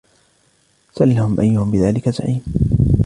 سَلْهُم أَيُّهُم بِذَلِكَ زَعِيمٌ